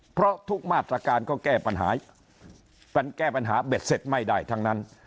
เพราะทุกมาตรการก็แก้ปัญหามันแก้ปัญหาเบ็ดเสร็จไม่ได้ทั้งนั้น